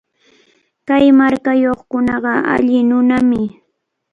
Kay markayuqkunaqa alli nunami.